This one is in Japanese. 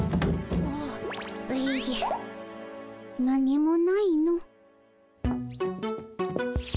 何もないの。